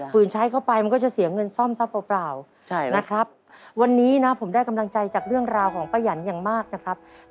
ฝืนใช้เข้าไปมันก็จะเสียเงินซ่อมซ่อมเปล่านะครับ